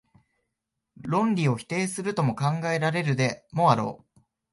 論理を否定するとも考えられるでもあろう。